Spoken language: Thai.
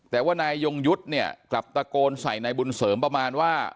แต่ว่านายยงยุทธ์เนี่ยกลับตะโกนใส่นายบุญเสริมประมาณว่า